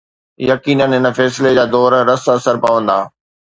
يقينن، هن فيصلي جا دور رس اثر پوندا.